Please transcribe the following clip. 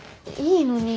いいのに。